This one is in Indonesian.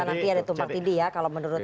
nanti ada tumpang tindi ya kalau menurut